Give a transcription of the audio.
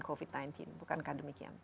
covid sembilan belas bukankah demikian